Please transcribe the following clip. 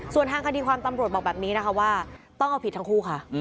ส่วนทางคดีความตำรวจบอกแบบนี้นะคะว่าต้องเอาผิดทั้งคู่ค่ะ